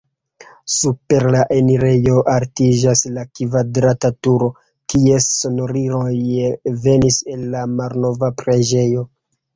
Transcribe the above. Super la enirejo altiĝas la kvadrata turo, kies sonoriloj venis el la malnova preĝejo.